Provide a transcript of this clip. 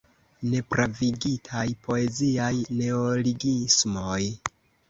Nepravigitaj poeziaj neologismoj?